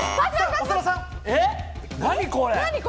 何これ？